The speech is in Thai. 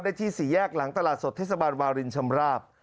ที่สี่แยกหลังตลาดสดเทศบาลวารินชำราบ